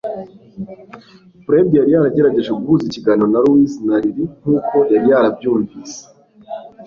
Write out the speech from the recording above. Fred yari yagerageje guhuza ikiganiro na Louise na Riley nkuko yari yarabyumvise